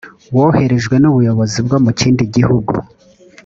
woherejwe n ubuyobozi bwo mu kindi gihugu